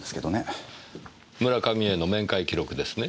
村上への面会記録ですね？